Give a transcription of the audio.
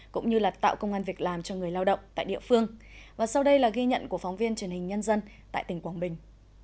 cũng như là tạo công an việc làm cho người lao động tại địa phương và sau đây là ghi nhận của phóng viên truyền hình nhân dân tại tỉnh quảng bình